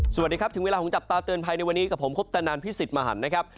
สวัสดีครับถึงเวลาของจับตาเตือนภัยในวันนี้กับผมคุปตนันพิสิทธิ์มหันนะครับ